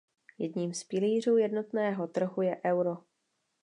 Jedním z pilířů jednotného trhu je euro.